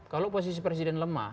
kalau posisi presiden lemah